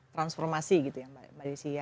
transformasi gitu ya mbak desi ya